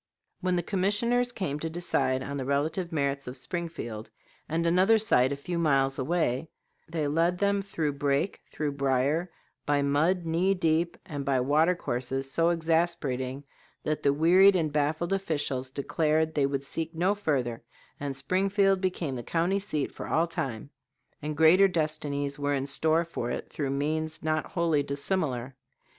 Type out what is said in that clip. When the commissioners came to decide on the relative merits of Springfield and another site a few miles away, they led them through brake, through brier, by mud knee deep and by water courses so exasperating that the wearied and baffled officials declared they would seek no further, and Springfield became the county seat for all time; and greater destinies were in store for it through means not wholly dissimilar.